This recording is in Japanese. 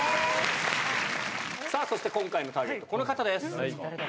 そして今回のターゲット、この方です。